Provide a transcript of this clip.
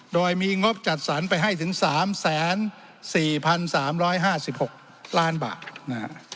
โดยมีงบจัดสรรไปให้ถึง๓๔๓๕๖ล้านบาทนะฮะ